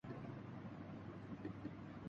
کیا پڑھتے ہیں